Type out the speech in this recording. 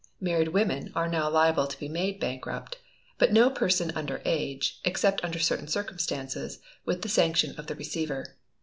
Married Women are now liable to be made bankrupt; but no person under age, except under certain circumstances, with the sanction of the Receiver.